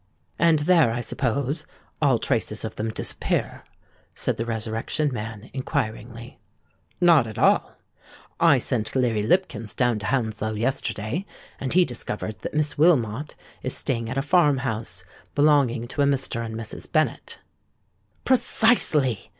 "And there, I suppose, all traces of them disappear?" said the Resurrection Man, inquiringly. "Not at all. I sent Leary Lipkins down to Hounslow yesterday; and he discovered that Miss Wilmot is staying at a farm house belonging to a Mr. and Mrs. Bennet." "Precisely!"